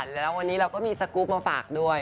แล้ววันนี้เราก็มีสกรูปมาฝากด้วย